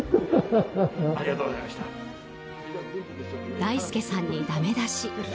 大助さんにだめ出し。